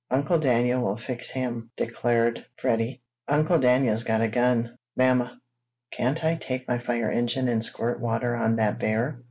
"Uncle Daniel will fix him!" declared Freddie. "Uncle Daniel's got a gun. Mamma, can't I take my fire engine and squirt water on that bear?"